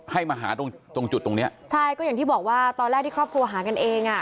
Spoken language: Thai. ให้มาหาตรงตรงจุดตรงเนี้ยใช่ก็อย่างที่บอกว่าตอนแรกที่ครอบครัวหากันเองอ่ะ